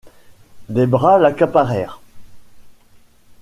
Des bras l'accaparèrent.